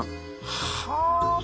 はあ！